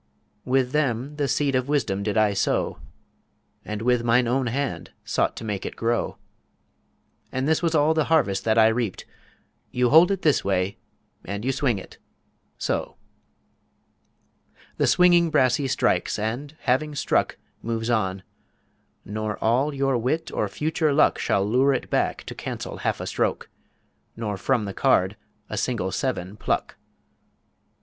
With them the seed of Wisdom did I sow, And with mine own hand sought to make it grow; And this was all the Harvest that I reaped: "You hold it This Way, and you swing it So." The swinging Brassie strikes; and, having struck, Moves on: nor all your Wit or future Luck Shall lure it back to cancel half a Stroke, Nor from the Card a single Seven pluck.